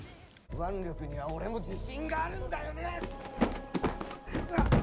腕力には俺も自信があるんだよね。